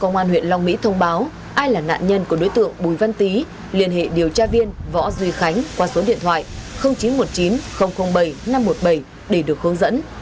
công an huyện long mỹ thông báo ai là nạn nhân của đối tượng bùi văn tý liên hệ điều tra viên võ duy khánh qua số điện thoại chín trăm một mươi chín bảy năm trăm một mươi bảy để được hướng dẫn